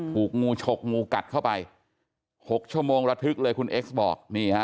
ถูกงูฉกงูกัดเข้าไป๖ชั่วโมงระทึกเลยคุณเอ็กซ์บอกนี่ฮะ